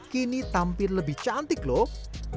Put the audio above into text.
kini tampil lebih cantik loh